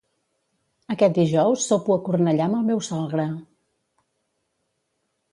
Aquest dijous sopo a Cornellà amb el meu sogre.